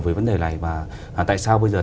về vấn đề này và tại sao bây giờ